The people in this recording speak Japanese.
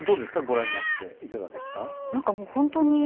ご覧になっていかがでした？